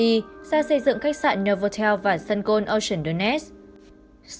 ra xây dựng khách sạn novotel và suncoast ocean donetsk